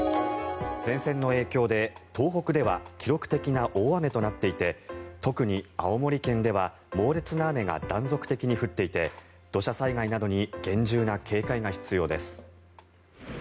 前線の影響で東北では記録的な大雨となっていて特に青森県では猛烈な雨が断続的に降っていて土砂災害などに厳重な警戒が必要です。